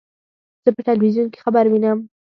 زه په ټلویزیون کې خبر وینم.